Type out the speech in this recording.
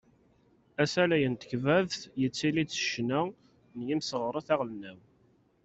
Asalay n tekbabt yettili-d s ccna n yimseɣret aɣelnaw.